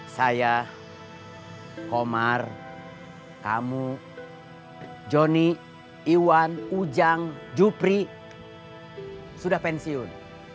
saya komar kamu joni iwan ujang jupri sudah pensiun